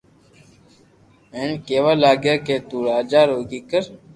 ھين ڪي وا لاگيا ڪي تو راجا رو ڪيڪر